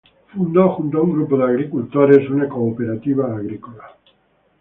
Fundó, junto a un grupo de agricultores, una cooperativa agrícola.